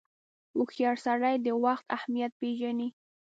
• هوښیار سړی د وخت اهمیت پیژني.